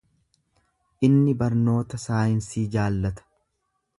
Inni barnoota saayinsii jaallata.